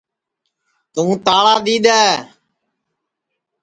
توں تاݪا دؔی دؔے